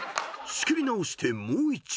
［仕切り直してもう一度］